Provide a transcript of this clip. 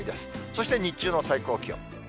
そして日中の最高気温。